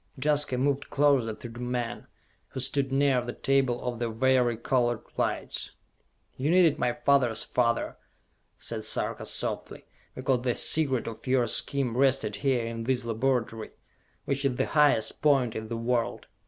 Jaska moved closer to the men, who stood near the table of the vari colored lights. "You needed my father's father," said Sarka softly, "because the secret of your scheme rested here in this laboratory, which is the highest point in the world!